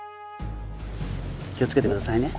気を付けて下さいね。